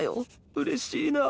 うれしいなあ。